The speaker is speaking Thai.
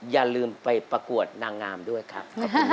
อย่าลืมไปประกวดนางงามด้วยครับ